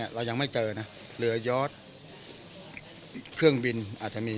เรายังไม่เจอนะเรือยอดเครื่องบินอาจจะมี